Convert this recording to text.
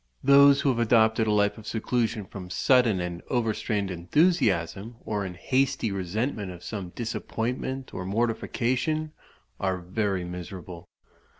Those who have adopted a life of seclusion from sudden and overstrained enthusiasm, or in hasty resentment of some disappointment or mortification, are very miserable.